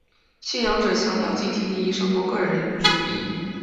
信仰者强调集体利益胜过个人主义。